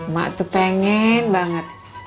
mak tuh pengen banget ngajak lo kerja lagi ya